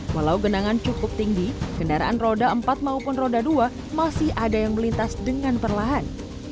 walau genangan cukup tinggi kendaraan roda empat maupun roda dua masih ada yang melintas dengan perlahan